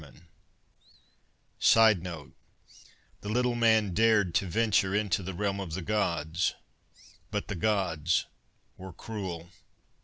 ] [Sidenote: _The little man dared to venture into the realm of the Gods but the Gods were cruel!